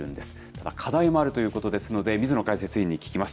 ただ、課題もあるということですので、水野解説委員に聞きます。